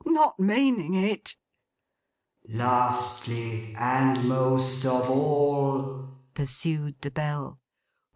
Not meaning it!' 'Lastly, and most of all,' pursued the Bell.